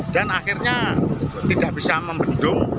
dan akhirnya tidak bisa membendung